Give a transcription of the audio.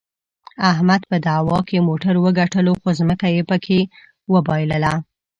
احمد په دعوا کې موټر وګټلو، خو ځمکه یې پکې د وباییلله.